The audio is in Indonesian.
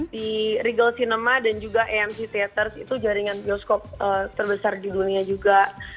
di regal cinema dan juga amc teaters itu jaringan bioskop terbesar di dunia juga